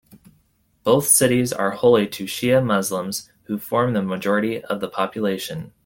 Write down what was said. Both cities are holy to Shia Muslims, who form the majority of the population.